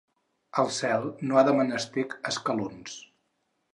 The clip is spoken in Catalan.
El cel no ha de menester escalons.